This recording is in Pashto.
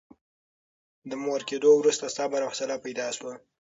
د مور کېدو وروسته صبر او حوصله پیدا شوه.